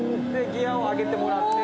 ギヤを上げてもらって。